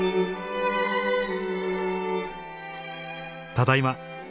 「ただいま」